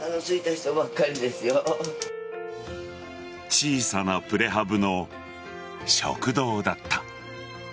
小さなプレハブの食堂だった。